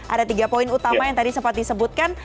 ada tiga poin utama yang tadi sempat disebutkan